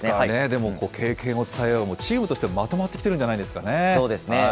でも経験を伝え合おうと、チームとしてまとまってきてるんじそうですね。